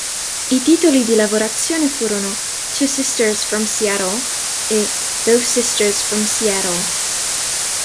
I titoli di lavorazione furono "Two Sisters from Seattle" e "Those Sisters from Seattle".